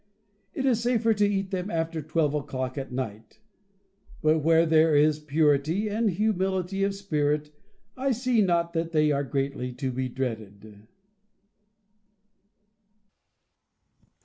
It is safer to eat them after twelve o'clock at night ; but, where there is purity and humility of spirit, I see not that they are greatly to be dreaded.